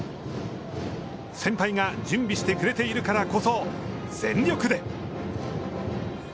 先輩が準備してくれているからこそ全力で！